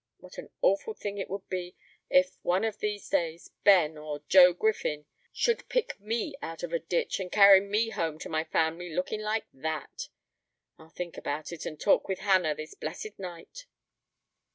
What an awful thing it would be, if, one of these days, Ben or Joe Griffin should pick me out of a ditch, and carry me home to my family looking like that! I'll think about it, and talk with Hannah this blessed night."